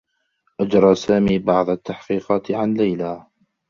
أجرى سامي بعض التّحقيقات عن ليلى.